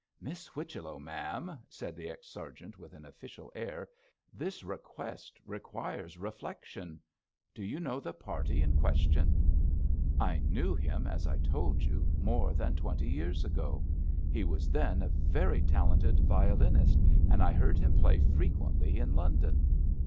'Miss Whichello, ma'am,' said the ex sergeant with an official air, 'this request requires reflection. Do you know the party in question?' 'I knew him, as I told you, more than twenty years ago. He was then a very talented violinist, and I heard him play frequently in London.'